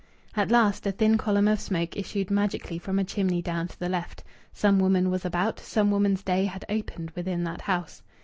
At last a thin column of smoke issued magically from a chimney down to the left. Some woman was about; some woman's day had opened within that house.